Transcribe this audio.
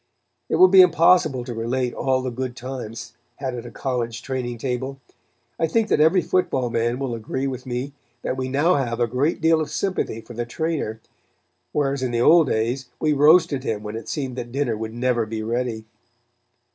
It will be impossible to relate all the good times had at a college training table. I think that every football man will agree with me that we now have a great deal of sympathy for the trainer, whereas in the old days we roasted him when it seemed that dinner would never be ready.